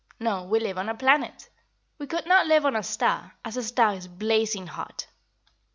"No; we live on a planet. We could not live on a star, as a star is blazing hot.